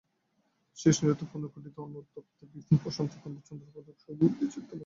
শ্রীশ নিরুত্তর, পূর্ণ কুণ্ঠিত অনুতপ্ত, বিপিন প্রশান্ত গম্ভীর, চন্দ্রবাবু সুগভীর চিন্তামগ্ন।